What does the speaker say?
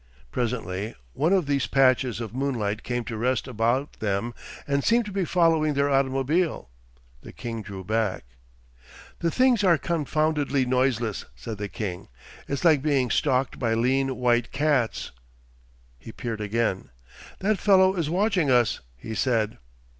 Presently one of these patches of moonlight came to rest about them and seemed to be following their automobile. The king drew back. 'The things are confoundedly noiseless,' said the king. 'It's like being stalked by lean white cats.' He peered again. 'That fellow is watching us,' he said.